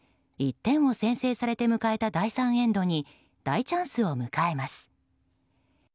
１点を先制されて迎えた第３エンドに大チャンスを迎えます。